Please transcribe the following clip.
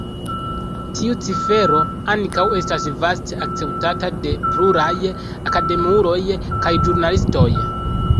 Tiu cifero ankaŭ estas vaste akceptata de pluraj akademiuloj kaj ĵurnalistoj.